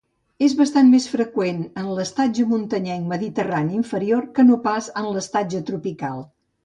És bastant més freqüent en l'estatge muntanyenc mediterrani inferior que no pas en l'estatge tropical.